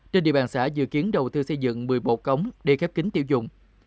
trên địa bàn xã dự kiến đầu tư xây dựng một mươi một cống để khép kính tiểu dùng